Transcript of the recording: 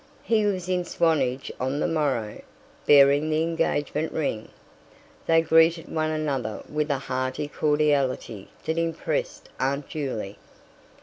He was in Swanage on the morrow, bearing the engagement ring. They greeted one another with a hearty cordiality that impressed Aunt Juley.